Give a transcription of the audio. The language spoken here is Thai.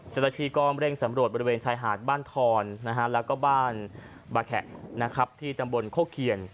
เจ้าหน้าที่ก็เร่งสำรวจบริเวณชายหาดบ้านทอนแล้วก็บ้านบาแขะที่ตำบลโคเคียน